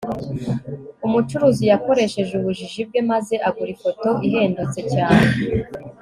umucuruzi yakoresheje ubujiji bwe maze agura ifoto ihendutse cyane